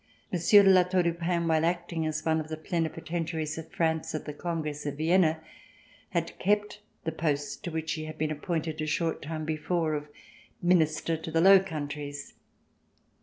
Monsieur de La Tour du Pin, while acting as one of the Pleni potentiaries of France at the Congress of Vienna, had kept the post to which he had been appointed a short time before of Minister to the Low Countries.